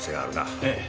ええ。